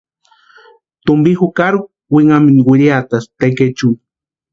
Tumpi jukari winhamintu wiriatasïnti tekechuni.